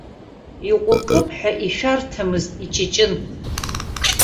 Иҟәыкып ҳәа ишәарҭамызт, иҷыҷын.